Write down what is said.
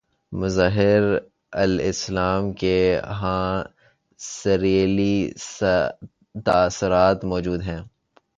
مظہر الاسلام کے ہاں سرئیلی تاثرات موجود ہیں